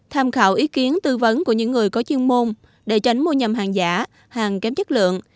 tham khảo ý kiến tư vấn của những người có chuyên môn để tránh mua nhầm hàng giả hàng kém chất lượng